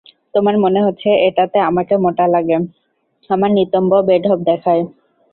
তোমার মনে হচ্ছে এটাতে আমাকে মোটা লাগে, আমার নিতম্ব বেঢপ দেখায়।